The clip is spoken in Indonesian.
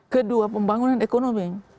kedua pembangunan ekonomi